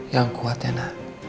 yang kuat yana